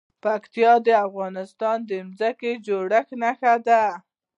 پکتیا د افغانستان د ځمکې د جوړښت نښه ده.